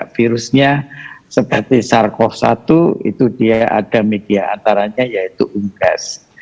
virusnya seperti sars cov satu itu dia ada media antaranya yaitu unggas